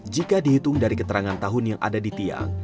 jika dihitung dari keterangan tahun yang ada di tiang